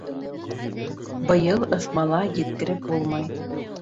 Быйыл ыҫмала еткереп булмай.